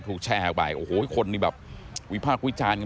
ถูกแชร์ออกไปโอ้โหคนนี่แบบวิภาควิจารณ์